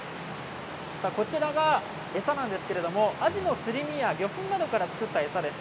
こちらが餌なんですけれどあじのすり身や魚粉などから作った餌です。